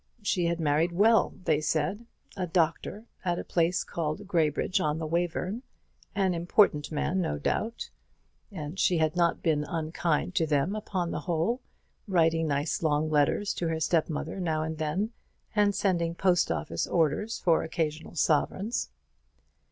She had married well, they said: a doctor at a place called Graybridge on the Wayverne an important man, no doubt; and she had not been unkind to them upon the whole, writing nice long letters to her step mother now and then, and sending post office orders for occasional sovereigns.